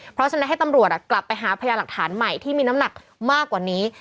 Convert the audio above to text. เพราะฉะนั้นให้ตำรวจกลับไปหาพยาหลักฐานใหม่ที่มีน้ำหนักมากกว่านี้